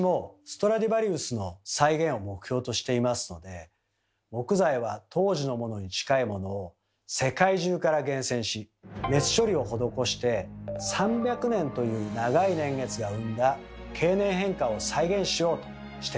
私も木材は当時のものに近いものを世界中から厳選し熱処理を施して３００年という長い年月が生んだ経年変化を再現しようとしています。